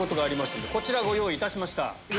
こちらご用意いたしました。